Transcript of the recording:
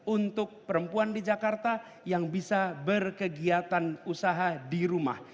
untuk perempuan di jakarta yang bisa berkegiatan usaha di rumah